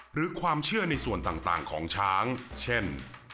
หรือความเชื่อในส่วนต่างของช้างเช่น